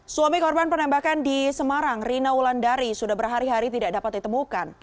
suami korban penembakan di semarang rina wulandari sudah berhari hari tidak dapat ditemukan